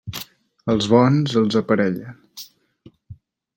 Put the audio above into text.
Als bons els aparellen.